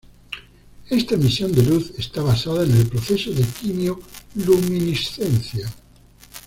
Esta emisión de luz está basada en el proceso de quimio-luminiscencia.